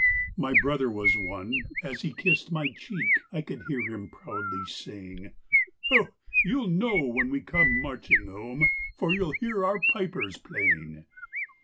My brother was one. As he kissed my cheek, I could hear him proudly saying: "Ho! you'll know when we come marching home, For you'll hear our pipers playing."